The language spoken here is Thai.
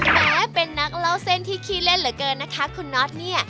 แม้เป็นนักเล่าเส้นที่ขี้เล่นเหลือเกินนะคะคุณน็อตเนี่ย